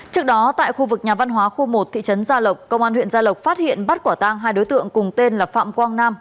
trước đó tại khu vực nhà văn hóa khu một thị trấn gia lộc công an huyện gia lộc phát hiện bắt quả tang hai đối tượng cùng tên là phạm quang nam